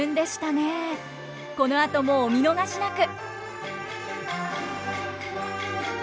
このあともお見逃しなく！